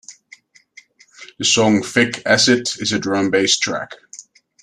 The song "Vic Acid" is a drum'n'bass track.